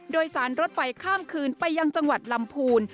โดยสารรถไฟข้ามคืนไปยังจังหวัดลำพูน